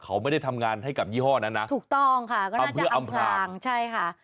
เขาไม่ได้ทำงานให้กับยี่ห้อนั้นนะถูกต้องค่ะก็ทำเพื่ออำพลางใช่ค่ะ